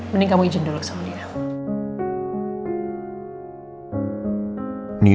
mending kamu izin dulu sama dia